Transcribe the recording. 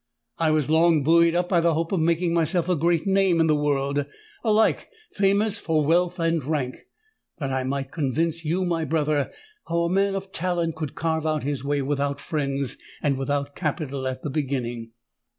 I was long buoyed up by the hope of making myself a great name in the world, alike famous for wealth and rank,—that I might convince you, my brother, how a man of talent could carve out his way without friends, and without capital at the beginning!